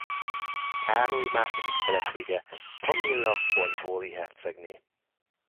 Károly második felesége Kamilla cornwalli hercegné.